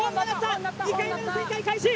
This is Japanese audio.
２回目の旋回開始。